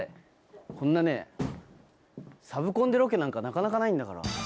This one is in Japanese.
こんなね、サブコンでロケなんかなかなかないんだから。